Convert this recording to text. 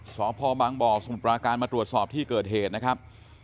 สพบางบ่อสมุทรปราการมาตรวจสอบที่เกิดเหตุนะครับ